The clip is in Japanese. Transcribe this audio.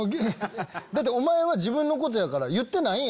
お前は自分のことやから言ってないんやろ？